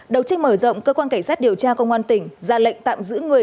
đầu trích mở rộng cơ quan cảnh sát điều tra công an tỉnh ra lệnh tạm giữ người